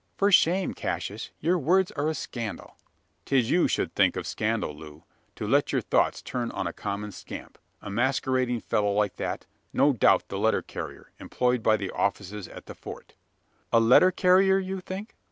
"For shame, Cassius! your words are a scandal!" "'Tis you should think of scandal, Loo! To let your thoughts turn on a common scamp a masquerading fellow like that! No doubt the letter carrier, employed by the officers at the Fort!" "A letter carrier, you think?